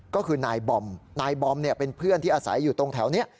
ก็คือนายบอมนายบอมเป็นเพื่อนที่อาศัยอยู่ตรงแถวนี้